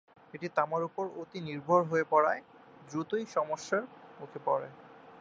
এটি তামার উপর অতি নির্ভর হয়ে পড়ায় দ্রুতই সমস্যার মুখে পড়ে।